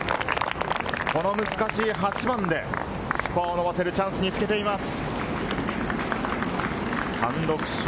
この難しい８番でスコアを伸ばせるチャンスにつけています。